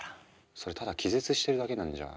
それただ気絶してるだけなんじゃ。